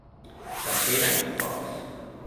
Sant Pere, focs.